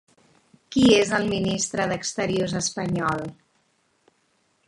Qui és el ministre d'exteriors espanyol?